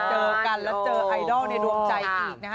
เจอกันแล้วเจอไอดอลในดวงใจอีกนะฮะ